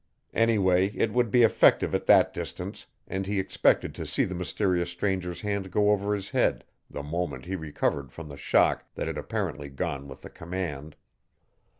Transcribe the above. Anyway it would be effective at that distance, and he expected to see the mysterious stranger's hands go over his head the moment he recovered from the shock that had apparently gone with the command.